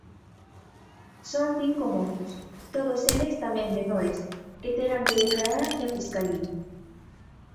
Son cinco mozos, todos eles tamén menores, que terán que declarar ante a Fiscalía.